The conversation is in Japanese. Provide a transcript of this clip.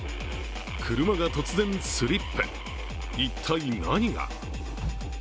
車が突然スリップ、一体何が？